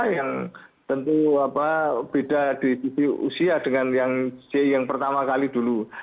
yang tentu beda di sisi usia dengan yang c yang pertama kali dulu